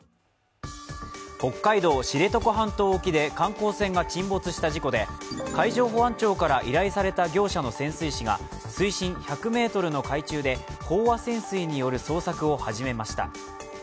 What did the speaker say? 北海道知床半島沖で観光船が沈没した事故で海上保安庁から依頼された業者の潜水士が水深１００ｍの海中で飽和潜水による捜索を始めました。